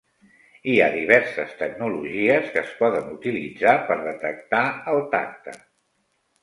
Hi ha diverses tecnologies que es poden utilitzar per detectar el tacte.